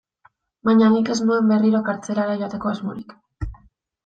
Baina nik ez nuen berriro kartzelara joateko asmorik.